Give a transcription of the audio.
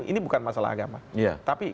ini bukan masalah agama tapi